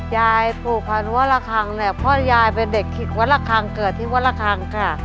ยายผูกพันหัวละคังเนี่ยพ่อยายเป็นเด็กวัดระคังเกิดที่วัดระคังค่ะ